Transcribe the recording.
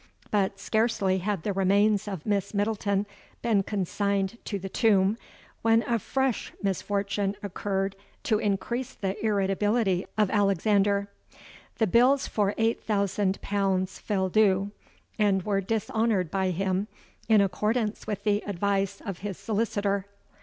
But scarcely had the remains of Miss Middleton been consigned to the tomb, when a fresh misfortune occurred to increase the irritability of Alexander. The bills for eight thousand pounds fell due, and were dishonoured by him, in accordance with the advice of his solicitor.